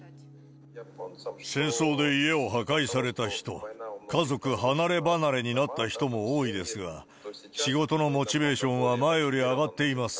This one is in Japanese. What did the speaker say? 戦争で家を破壊された人、家族離れ離れになった人も多いですが、仕事のモチベーションは前より上がっています。